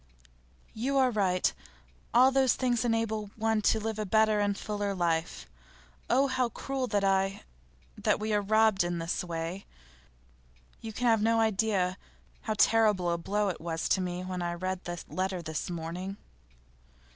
'You are right. All those things enable one to live a better and fuller life. Oh, how cruel that I that we are robbed in this way! You can have no idea how terrible a blow it was to me when I read that letter this morning.